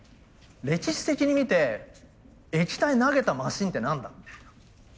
歴史的に見て液体投げたマシンって何だみたいな。